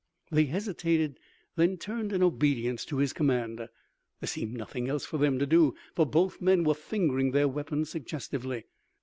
They hesitated, then turned in obedience to his command. There seemed nothing else for them to do, for both men were fingering their weapons suggestively.